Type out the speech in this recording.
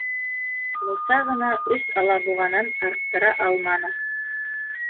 Муса ғына өс алабуғанан арттыра алманы.